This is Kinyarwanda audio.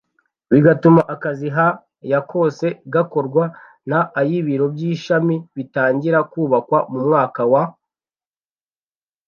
bigatuma akazi ha ya kose gakorwa n aibiro by ishami bitangira kubakwa mu mwaka wa